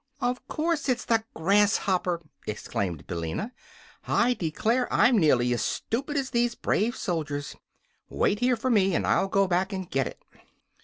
"Of course it's the grasshopper!" exclaimed Billina. "I declare, I'm nearly as stupid as these brave soldiers. Wait here for me, and I'll go back and get it."